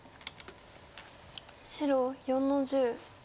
白４の十。